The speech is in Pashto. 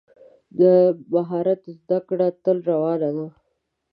د مهارت زده کړه تل روانه ده.